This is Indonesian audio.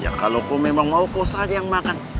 ya kalau kau memang mau kau saja yang makan